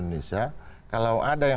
yang berhutang di dalam